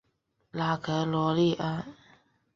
拉格罗利埃。